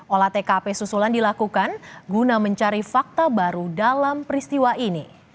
olah tkp susulan dilakukan guna mencari fakta baru dalam peristiwa ini